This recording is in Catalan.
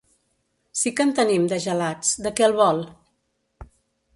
Sí que en tenim, de gelats; de què el vol?